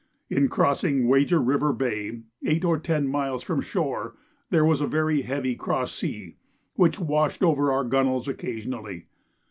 In crossing Wager River Bay, eight or ten miles from shore, there was a very heavy cross sea, which washed over our gunwales occasionally.